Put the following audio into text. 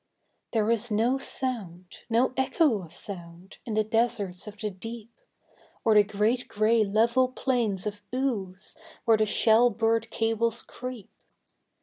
There is no sound, no echo of sound, in the deserts of the deep, Or the great gray level plains of ooze where the shell burred cables creep.